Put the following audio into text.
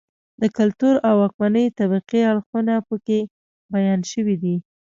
د کلتور او واکمنې طبقې اړخونه په کې بیان شوي دي.